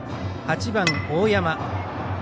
８番、大山。